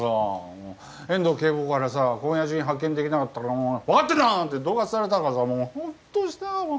遠藤警部補からさ「今夜中に発見できなかったら分かってるな？」って恫喝されたからさもうほっとしたよ。